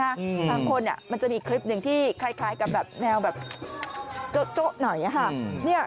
บางคนมันจะมีคลิปหนึ่งที่คล้ายกับแมวเจ้าหน่อย